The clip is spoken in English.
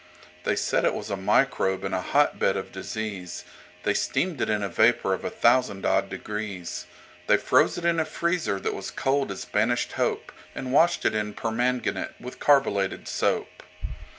They said it was a Microbe and a Hotbed of Disease; They steamed it in a vapor of a thousand odd degrees; They froze it in a freezer that was cold as Banished HopeAnd washed it in permanganate with carbolated soap.